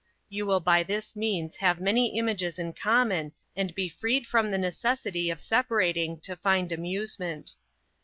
You will by this means have many images in common, and be freed from the necessity of separating to find amusement.